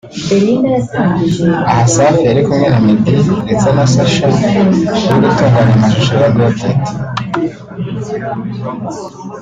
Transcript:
Aha Safi yari kumwe na Meddy ndetse na Sasha uri gutunganya amashusho ya ’Got it’